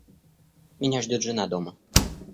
Меня ждёт жена дома.